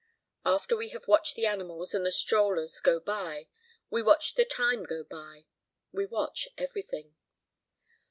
After we have watched the animals and the strollers go by, we watch the time go by, we watch everything.